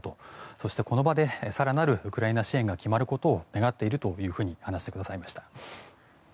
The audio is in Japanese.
そして、この場で更なるウクライナ支援が決まることを願っているというふうに話してくださいました。